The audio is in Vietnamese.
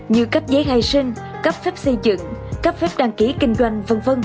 như cấp giấy khai sinh cấp phép xây dựng cấp phép đăng ký kinh doanh v v